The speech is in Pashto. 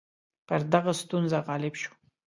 پر دغه ستونزه غالب شو.